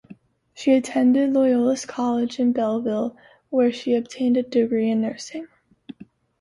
She attended Loyalist College in Belleville where she obtained a degree in nursing.